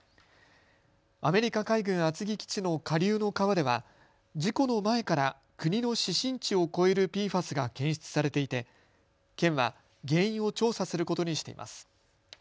アメリカ海軍厚木基地の下流の川では事故の前から国の指針値を超えるＰＦＡＳが検出されていて県は原因を調査することにしています。